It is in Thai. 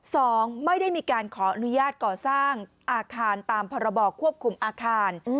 สองไม่ได้มีการขออนุญาตก่อสร้างอาคารตามพรบควบคุมอาคาร